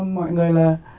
mọi người là